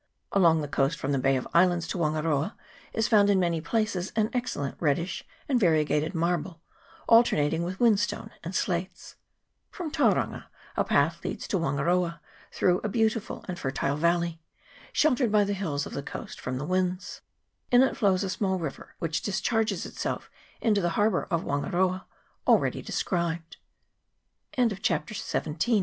Along the coast from the Bay of Islands to Wangaroa is found in> many places an excellent reddish and variegated marble, alternating with whinstone and slates. From Tauranga a path leads to Wangaroa, through a beautiful and fertile valley, sheltered by the hills of the coast from the winds ; in it flows a small river, which discharges itself